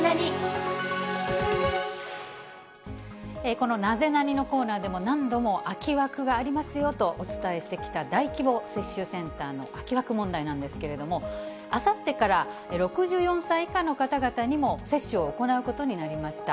このナゼナニっ？のコーナーでも、何度も空き枠がありますよとお伝えしてきた大規模接種センターの空き枠問題なんですけれども、あさってから、６４歳以下の方々にも接種を行うことになりました。